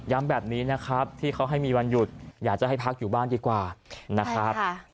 แบบนี้นะครับที่เขาให้มีวันหยุดอยากจะให้พักอยู่บ้านดีกว่านะครับ